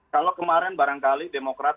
kalau kemarin barangkali demokrat